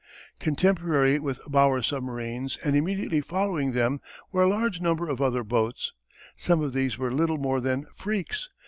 Contemporary with Bauer's submarines and immediately following them were a large number of other boats. Some of these were little more than freaks.